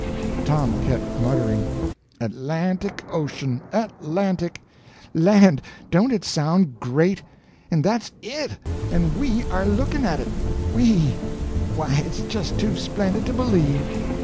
Tom kept muttering: "Atlantic Ocean—Atlantic. Land, don't it sound great! And that's it—and we are looking at it—we! Why, it's just too splendid to believe!"